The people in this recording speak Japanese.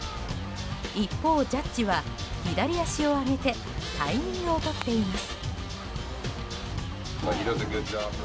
一方、ジャッジは左足を上げてタイミングをとっています。